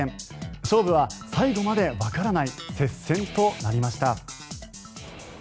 勝負は最後までわからない接戦となりました。